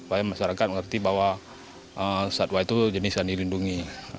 supaya masyarakat mengerti bahwa satwa itu jenis yang dilindungi